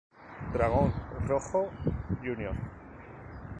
Dragón Rojo, Jr.